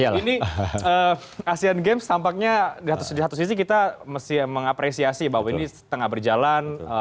ini asian games tampaknya di satu sisi kita masih mengapresiasi bahwa ini setengah berjalan